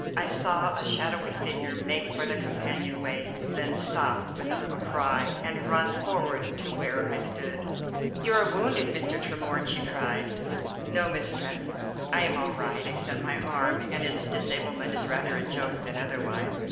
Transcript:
I saw a shadowy figure make for the companion way, then stop with a little cry, and run forward to where I stood. "You are wounded, Mr. Tremorne!" she cried. "No, Miss Stretton, I am all right, except my arm, and its disablement is rather a joke than otherwise."